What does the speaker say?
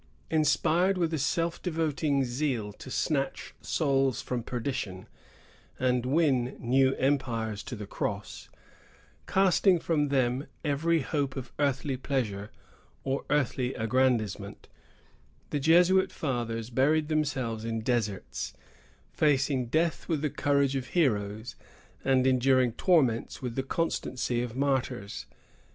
Inspired with a self devoting zeal to snatch souls from perdition, and win new empires to the cross; casting from them every hope of earthly pleasure or earthly aggrandizement, the Jesuit fathers buried themselves in deserts, facing death with the courage of heroes, and enduring torments with the constancy of martyrs.